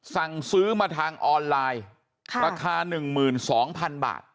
สั่งซื้อมาทางออนไลน์ราคา๑๒๐๐๐บาท